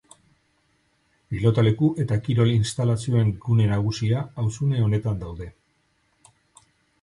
Pilotaleku eta kirol instalazioen gune nagusia auzune honetan daude.